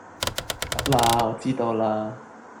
得喇我知道喇